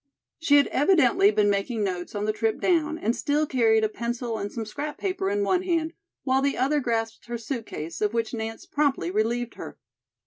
She had evidently been making notes on the trip down and still carried a pencil and some scrap paper in one hand, while the other grasped her suit case, of which Nance promptly relieved her.